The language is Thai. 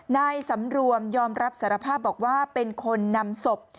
นายสำรวมยอมรับสารภาพบอกว่าเป็นคนนำศพ